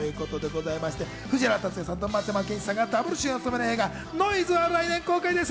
藤原竜也さんと松山ケンイチさんがダブル主演を務める映画『ノイズ』は来年公開です。